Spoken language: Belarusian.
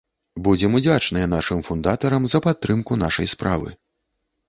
Будзем удзячныя нашым фундатарам за падтрымку нашай справы.